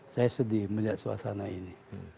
saya sedih melihat suasana ini